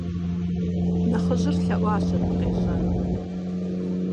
Нэхъыжьыр лъэӀуащ абы къежьэну.